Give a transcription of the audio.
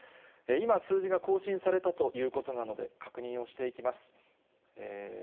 今、数字が更新されたということなので、確認をしていきます。